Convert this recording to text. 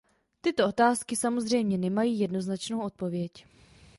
Tyto otázky samozřejmě nemají jednoznačnou odpověď.